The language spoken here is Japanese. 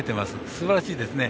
すばらしいですね。